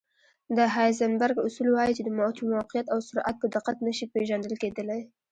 د هایزنبرګ اصول وایي چې موقعیت او سرعت په دقت نه شي پېژندل کېدلی.